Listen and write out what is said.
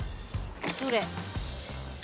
どれ？